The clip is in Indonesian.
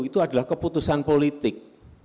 itu adalah keputusan politik